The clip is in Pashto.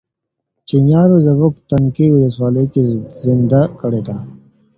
چپیانو زموږ تنکۍ ولسواکي زندۍ کړه.